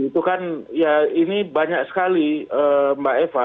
itu kan ya ini banyak sekali mbak eva